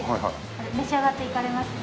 召し上がっていかれますか？